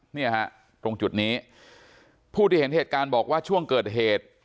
เนี่ยฮะตรงจุดนี้ผู้ที่เห็นเหตุการณ์บอกว่าช่วงเกิดเหตุ